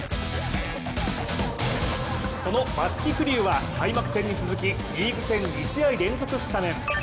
その松木玖生は開幕戦に続きリーグ戦２試合連続スタメン。